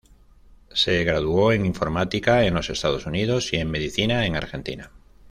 Se graduó en Informática en los Estados Unidos y en Medicina en Argentina.